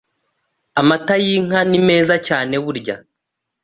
Amata y’inka nimeza cyane burya